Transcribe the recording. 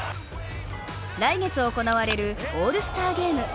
来月行われるオールスターゲーム。